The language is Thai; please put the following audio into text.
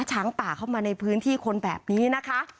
ช้างป่าเข้ามาในพื้นที่คนแบบนี้นะคะ